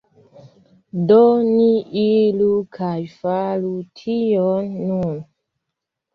Do, ni iru kaj faru tion nun